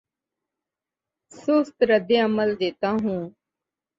سست رد عمل دیتا ہوں